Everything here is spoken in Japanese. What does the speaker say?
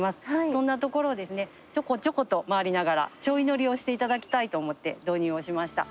そんな所をですねちょこちょこと回りながらちょい乗りをしていただきたいと思って導入をしました。